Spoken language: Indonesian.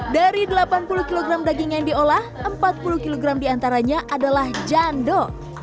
dari delapan puluh kg daging yang diolah empat puluh kg diantaranya adalah jando